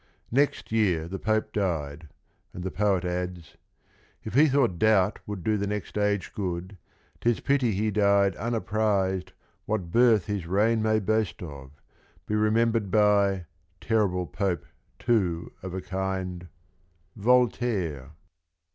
Next year the Pope died, and the poet adds "If he thought doubt would do the next age good, 'T is pity he died unapprised what birth His reign may boast of, be remembered by — Terrible Pope, too, of a kind, — Voltaire."